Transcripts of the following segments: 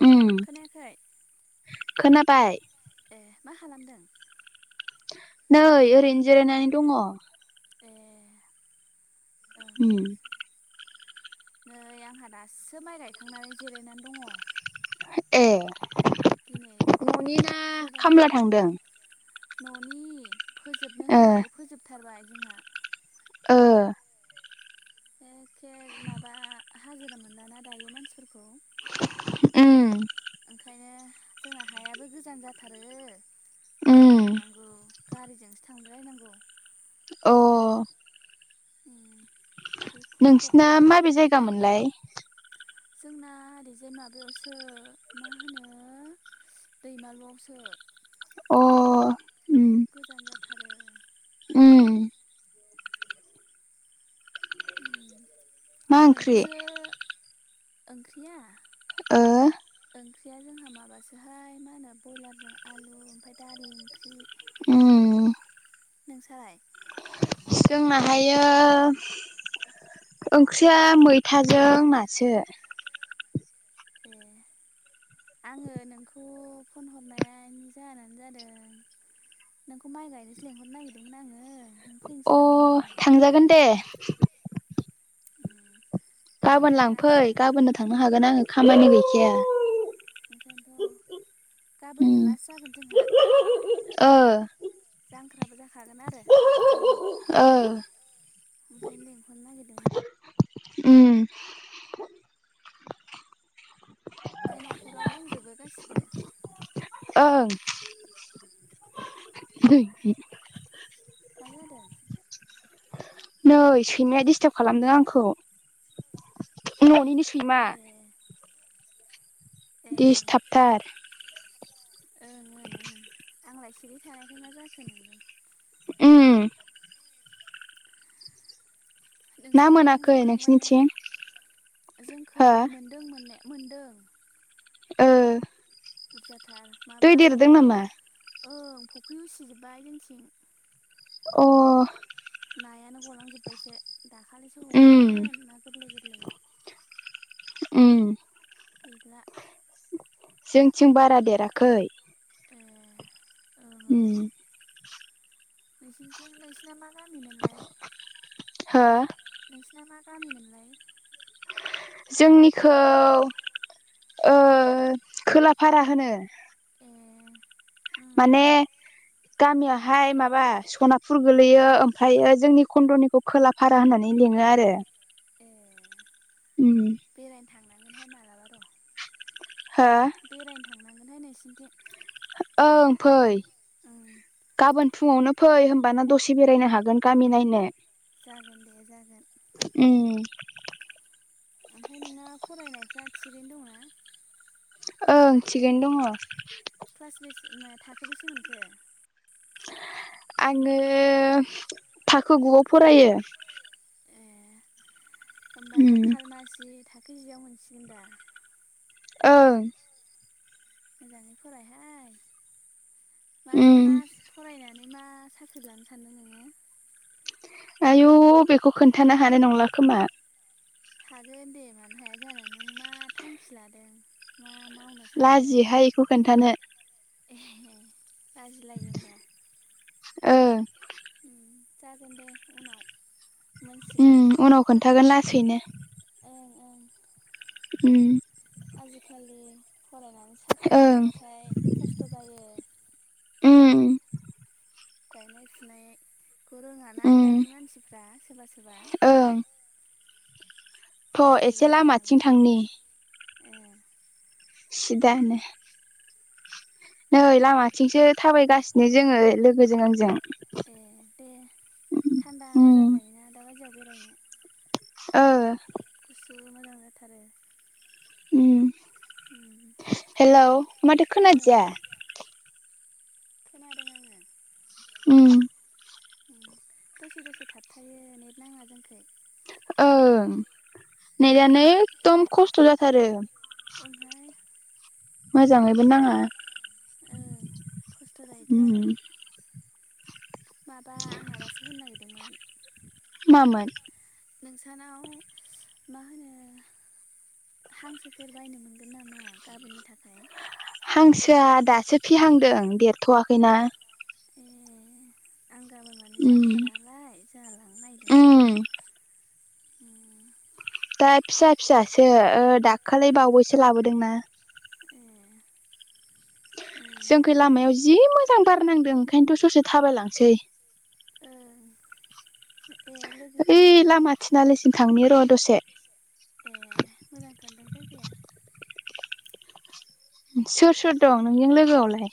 [unintelligible] खोनायाखै खोनाबाय ए मा खालामदों नै ओरैनो जिरायनानै दंङ ए ओं उम नै आंहा दासो माइ गायखांनानै जिरायनानै दंङ ए ननि ना एखेबारे खामला थांदों न'नि फोजोबनो ओ होननानै फोजोबथारबाय जोंहा ओ एखे माबा हाजिरा मोनलाना दायो मानसिफोरखौ उम ओंखायनो जोंना हायाबो गोजान जाथारो गोजानाव उम थांनांगौ गारिजोंसो थांलायनांगौ अ [inaudible] नोंसिना खस्थ'खा माबे जायगामोनलाय जोंना ओरैजाय माबायावसो मा होनो दैमालुआवसो अ उम गोजान जाथारो। उम मा आं ओंख्रि नोंखौसो ओंख्रिया ओ औ। ओंख्रिया जोंहा माबासोहाय मा होनो ब्रयलारजों आलु ओमफ्राय दालि ओंख्रि। ओम। नोंसालाय? जोंना हायो ओंख्रिया मैथाजों नासो। ए आङो नोंखौ फन हरनायनायनि जाहोनानो जादों। नोंखौ माइ गायनोसो लेंहरनो नागिरदोंमोन आङो नों फैनो अ सोलाबगोन नामा? थांजागोन दे। [unintelligible] गाबोन लांफै लास्ट आरोना गाबोननो थांनो हागोन आङो खामानि गैखाया। ओंखायनोथ' गाबोननो उम लासजागोन जोंहा। ओ। जांख्राबो जाखागोन आरो गाबोन। ओ। ओंखायनो लिहरनो नागेरदों मोन आं। ओम। ओमफ्राय न'खराव दंजोबो गासिबो? ओं [unintelligible] मा जादों? नै सैमाया दिडिस्टाब खालामदों आंखौ न'निनो सैमा। ए ए दिसटाबथार। ओं ओं ओं आंलाय सिरि थानायखाय मा जाखो नोंदों। ओम। ना नोंसा मोनाखै गायखांजोबखांबायना? नोंसिनिथिं जोंखौ हो मोनदों मोननाया मोन्दों। ओ। बुरजाथार दै माबा देरदों फख्रि नामा ओं फुख्रि उसिजोबाय जोंथिं। अ। नायानो गलांजोब्बायसो दाखालिसो उम हगारदोंमोन ना गोरलै -गोरलै। उम गैला। जोंथिं बारा देराखै। ए ओम। नोंसिनथिं नोंसिना मा गामि मोनलाय हो नोंसिना मा गामि मोनलाय? जोंनिखौ ओ खोलाफारा होनो। ए उम उम माने गामिया हाय माबा सनापुर गोलैयो। ओमफ्रायो जोंनि कन्दनिखौ खोलाफारा होननानै लिङो आरो। ए उम बेरायनो थांनांगोनहाय मालाबा र'। हो बेरायनो थांनांगोनहाय नोंसिनिथिं? ओं फै ओं गाबोन फुङावनो फै होनबाना दसे बेरायनो हागोन गामि नायनो जागोन दे जागोन। ओम। ओमफ्राय नोंना फरायनायफ्रा थिगैनो दंना? ओं थिगानो दङ! क्लास बेसे मा थाखो बेसे मोनखो? आङो थाखो गुआव फरायो! ए होमबा खालमासि थाखो जियाव मोनसिगोन दा! ओं! मोजाङै फरायहाय मास मास फरायनानै मा साख्रि लानो सान्दों नोङो? आयु बेखौ खोन्थानो हानाय नंला खोमा हागोन दे मानो हाया जानो नों मा थांखि लादों मा- मावनो सानदों लाजि हाय बेखौ खोन्थानो- ए लाजिलायो होमबा! ओं! जागोन दे उनाव! मोनसिगोन ओम उनाव खोनन्थागोन लासैनो! ओं ओं ओम- आजिखालि फरायनानै साख्रि ओं लायाब्लाथाय खस्थ' जायो! ओम! गायनाय फुनायखौ रोङा ना दानि मानसिफ्रा सोरबा सोरबा! ओं थ' साख्रिबो एसे लामाथिं मोनाबाथाय थांनि- ए सिदानो- नै लामाथिंसो थाबायगासिनो जोङो लोगोजों आंजों- ए दे थान्दा मोजां जायोना दाबायदियाव बेरायनो! ओ! गुसु मोजां जाथारो! ओम हेल' माथो ओ खोनादिया- खोनादों आङो! ओम! दसे दसे थाबथायो नेट नाङा जोंखै- ओं नेट' आनो एखदम खस्थ' जाथारो! ओमफ्राय मोजाङैबो नाङा! ओं खस्थ' जायोथ' आरो! उम माबा आं माबासो होनो नागिरदोंमोन! मामोन? नोंसानाव मा होनो हांसोफोर बायनो मोनगोन नामा गाबोननि थाखाय हांसोआ दासो फिहांदों देरथ'वाखैना ए आं गाबोन माने उम जांख्रा नालाय जाहा लांनो नागिरदोंमोन आरो! उम ओम- दा फिसा फिसासो दाखालि बावैसो लाबोदोंना- ए ओं जोंखै लामायाव जि मोजां बारनांदों ओंखायनोथ' ससे थाबायलांसै! ओं ए लोगोखौ ओइ लेंदों लामा थिनालिसिं थांनो र' दसे- ए मोजांथारदां जायगा सोर सोर दं नोंजों लोगोआवलाय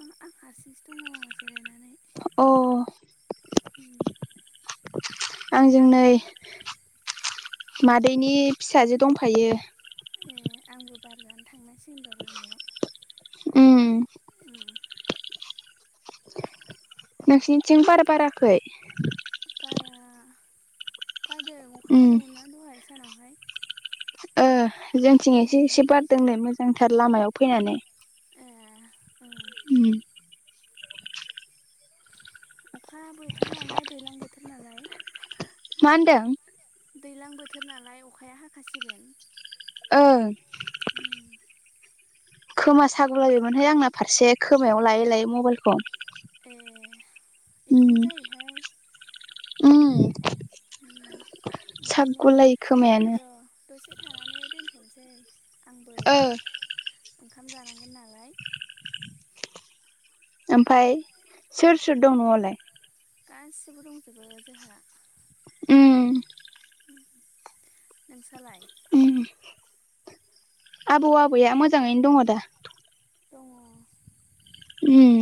आं हारसिंसो दङ जिरायनानै- अ- उम आंजों आंबो नै मादैनि फिसाजो दंफायो ए आंबो बार जानो थांनांसिग द' लामायाव! उम! उम नोंसिोरनिथिं बार बाराखै? बारा बारदों अखा उम हादोंमोन ना दहाय सानावहाय। ओ जोंथिं एसे उम एसे बारदोंनो मोजांथार लामायाव फैनानै। ए ओं उम अखा बोथोर नालाय दैज्लां बोथोर नालाय। मा होनदों? दैज्लां बोथोर नालाय अखाया हाखासिगोन। ओं उम खोमा सागुलायबायमोनहाय आंना फारसे खोमायाव लायै लायै मबाइलखौ। ए बिदिनो उम जायोहाय। उम उम ओंखायनो सागुलायो खोमायानो र' दसे थानानै दोन्थ'नोसै आं। ओ ओंखाम जानांगोन नालाय। ओमफ्राय सोर सोर दं न'लाय? गासिबो दंजोबो जोंहा। उम नोंसालाय? उम आबौ आबैया मोजाङैनो दङ दा? दङ। उम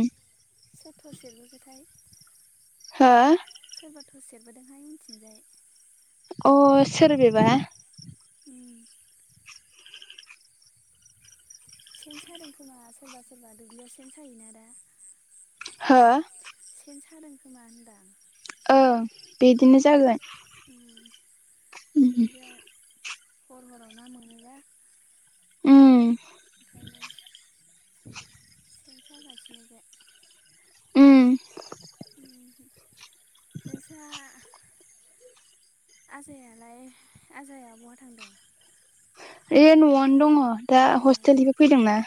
सोर थस सेरबोखोथाय? हो सोरबा थस सेरबोदोंहाय उनथिंजाय। अ सोर बेबा? उम सेन सादों खोमा सोरबा सोरबा दुब्लियाव सेन सायोना दा। हो सोन सादों खोमा होनदां। औ बिदिनो जागोन। उम उम दुब्लियाव हर हराव ना मोनोना। उम ओंखायनो सेन सागासिनो बे। उम नोंसा आजायालाय आजाया बहा थांदों? ऐ न'आवनो दङ दा ए हस्टेलनिफ्राय फैदोंना।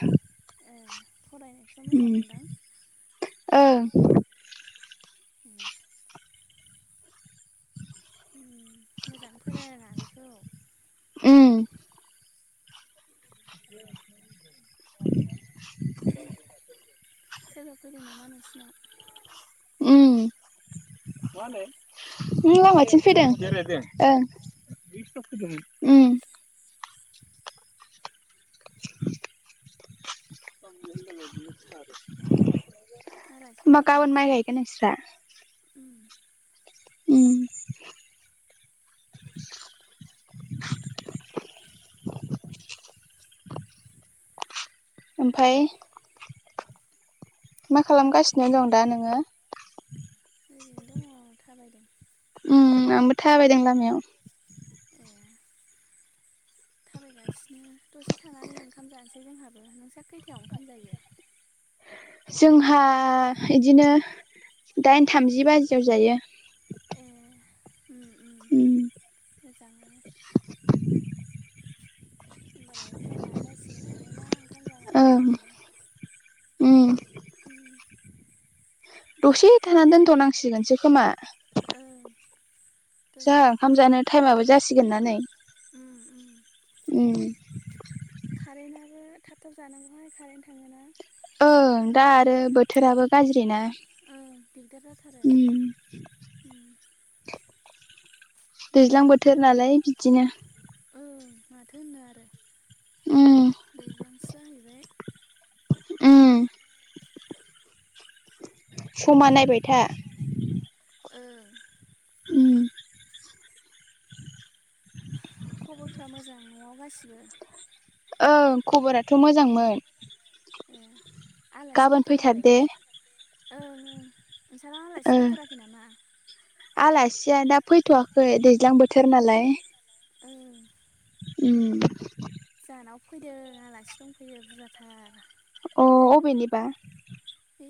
ए फरायनायफ्रा उम मोजाङानोदां ओ ए मोजां फोरों आगैखौ। उम [inaudible] सोरबा फैदों नामा नोंसिनाव? उम ए उम लामाथिम फैदों ओं। उम [inaudible] [inaudible] आलासि होमबा फैयाखै गाबोन माइ नोंसिनाव गायगोन नोंस्रा उम? उम [inaudible] ओमफ्राय मा खालामगासिनो दं दा नोङो? ओरैनो दङ थाबायदों। उम आंबो थाबायदों लामायाव। ए थाबायगासिनो दसे थानानै ओंखाम जानोसै जोंहाबो नोंस्रा खैथायाव ओंखाम जायो? [inaudible] जोंहा इदिनो दाइन थामजि बाजियाव जायो। उम उम मोजाङानो। होमबालाय टाइमा जासिगोन आरोना ओंखाम जानायनि औ उम दसे थाना दोनथ'नांसिगोनसो खोमा? ओं जाहा ओंखाम जानो टाइमाबो जासिगोन ना नै। उम उम उम कारेन्टआबो थाब थाब जानांगौहाय कारेन्ट थाङो ना। ओं दा आरो बोथोराबो गाज्रि ना। औ दिगदार जाथारो। उम दैज्लां बोथोर नालाय बिदिनो। ओं माथो होननो आरो उम दैज्लांसो जाहैबाय उम समा नायबाय था ओं उम [inaudible] खबरफ्रा मोजां न'आव गासिबो? ओं खबराथ' मोजांमोन। ए आलासि गाबोन फैथार फैथाराखै दे नोंसानाव ओं ओं। नोंसानाव आलासि ओ फैथाराखै नामा? आलासिया दा फैथ'वाखै दैज्लां बोथोर नालाय। उम उम जाहानाव फैदों आलासि दंफैयो बुरजाथार। अ अबेनिबा? बे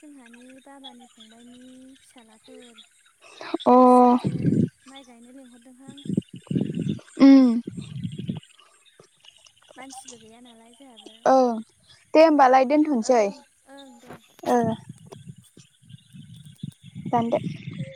जोंहानि बाबानि फंबाइनि फिसाज्लाफोर। अ फिसाजो माइ गायनो लिंहरदों हां। उम मानसिबो गैया नालाय जोंहाबो। ओं दे होमबालाय दोनथ'सै ओं ओं दे ओ। दानदो।